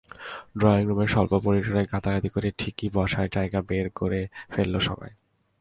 ড্রয়িংরুমের স্বল্প পরিসরে গাদাগাদি করে ঠিকই বসার জায়গা বের করে ফেলল সবাই।